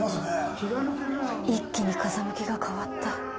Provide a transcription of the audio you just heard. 一気に風向きが変わった。